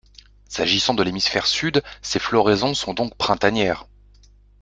S'agissant de l'hémisphère sud, ces floraisons sont donc printanières.